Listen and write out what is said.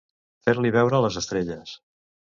Fer-li veure les estrelles.